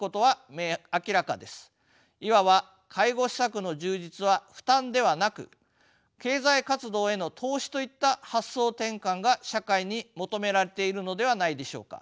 いわば介護施策の充実は負担ではなく経済活動への投資といった発想転換が社会に求められているのではないでしょうか。